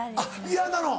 嫌なの？